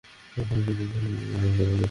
আমি তাফসীরে এসব বিষয়ে আলোচনা করেছি।